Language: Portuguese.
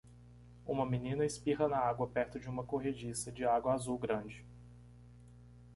Uma menina espirra na água perto de uma corrediça de água azul grande.